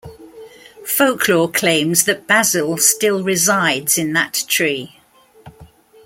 Folklore claims that Bazil still resides in that tree.